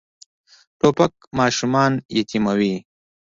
توپک ماشومان یتیموي.